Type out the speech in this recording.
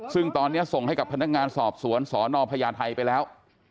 ซึ่งตอนนี้ส่งให้กับพนักงานสอบสวนสนพญาไทยไปแล้ว